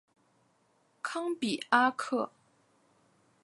康比阿克。